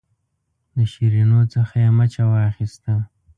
د شیرینو څخه یې مچه واخیسته.